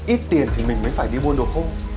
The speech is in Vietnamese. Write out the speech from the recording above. ít tiền thì mình mới phải đi buôn đồ khô